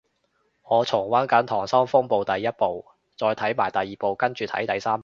我重溫緊溏心風暴第一部，再睇埋第二部跟住睇第三部